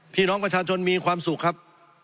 พี่น้องประชาชนมีความสุขครับ